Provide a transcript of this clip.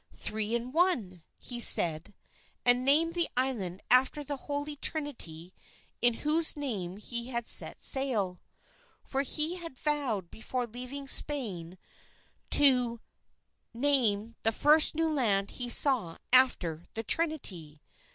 "Three in one," he said, and named the island after the Holy Trinity in whose name he had set sail. For he had vowed before leaving Spain, to name the first new land he saw after the Trinity.